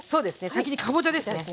先にかぼちゃですね。